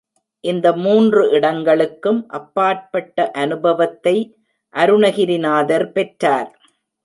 இந்த மூன்று இடங்களுக்கும் அப்பாற்பட்ட அநுபவத்தை அருணகிரிநாதர் பெற்றார்.